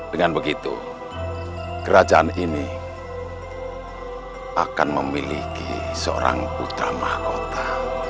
dengan begitu kerajaan ini akan memiliki seorang putra mahkota